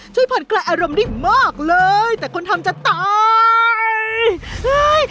ช่วยผ่อนคลายอารมณ์ได้มากเลยแต่คนทำจะตาย